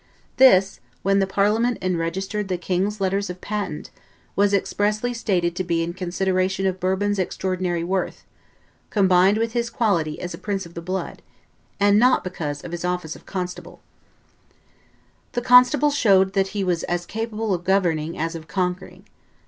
This, when the Parliament enregistered the king's letters patent, was expressly stated to be in consideration of Bourbon's extraordinary worth, combined with his quality as a prince of the blood, and not because of his office of constable." [Histoire de la Maison de Bourbon, by M. Desormeaux, t. ii. p. 437.] The constable showed that he was as capable of governing as of conquering.